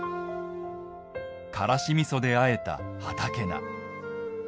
からしみそであえた畑菜。